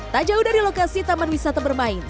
tak jauh dari lokasi taman wisata bermain